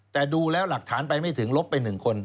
แต่ดูแล้วหลักฐานไปไม่ถึงลบไป๑คน